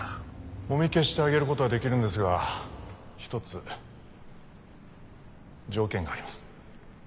もみ消してあげる事はできるんですが一つ条件があります。